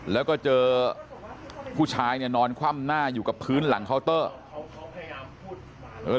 แล้วก็เจอผู้ชายเนี่ยนอนคว่ำหน้าอยู่กับพื้นหลังเคาน์เตอร์